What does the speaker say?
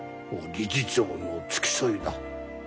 理事長の付き添いだ。